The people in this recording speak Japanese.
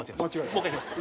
もう１回いきます。